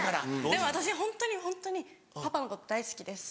でも私ホントにホントにパパのこと大好きです。